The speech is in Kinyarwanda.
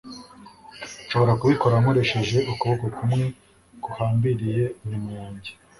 Nshobora kubikora nkoresheje ukuboko kumwe guhambiriye inyuma yanjye.